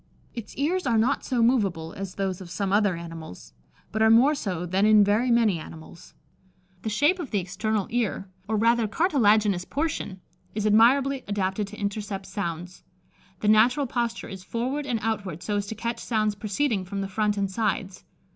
Its ears are not so moveable as those of some other animals, but are more so than in very many animals. The shape of the external ear, or rather cartilaginous portion, is admirably adapted to intercept sounds. The natural posture is forward and outward, so as to catch sounds proceeding from the front and sides.